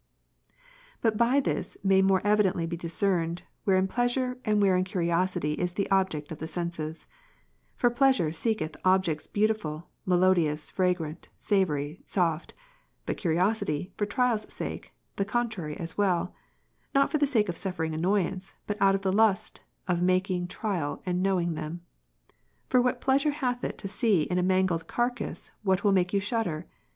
55. But by this may more evidently be discerned, wherein pleasure and wherein curiosity is the object of the senses ; for pleasure seeketh objects beautiful, melodious, fragrant, savoury, soft; but curiosity, for trial's sake, the contrary as well, not for the sake of suffex ing annoyance, but out of the lust of making trial and knowing them. For what pleasure hath it, to see in a mangled carcase what will make you shudder